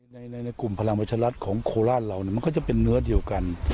ในกลุ่มพลังประชารัฐของโคราชเรามันก็จะเป็นเนื้อเดียวกัน